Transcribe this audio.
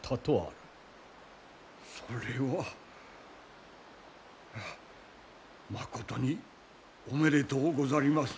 それはまことにおめでとうござります。